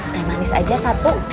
teh manis aja satu